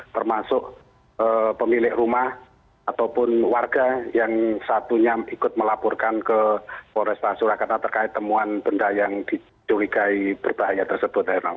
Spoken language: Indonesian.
termasuk pemilik rumah ataupun warga yang satunya ikut melaporkan ke polresta surakarta terkait temuan benda yang dicurigai berbahaya tersebut